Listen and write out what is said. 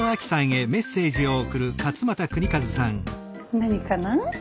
何かなぁ？